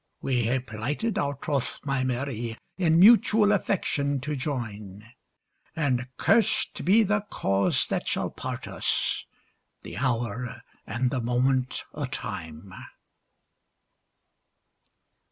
We hae plighted our troth, my Mary, In mutual affection to join; And curst be the cause that shall part us! The hour and the moment o' time!